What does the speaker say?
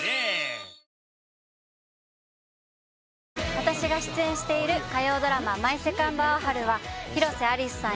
私が出演している火曜ドラマ「マイ・セカンド・アオハル」は広瀬アリスさん